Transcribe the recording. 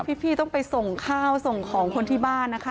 พี่ต้องไปส่งข้าวส่งของคนที่บ้านนะคะ